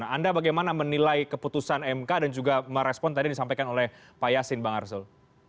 anda bagaimana menilai keputusan mk dan juga merespon tadi yang disampaikan oleh pak yasin bang arsul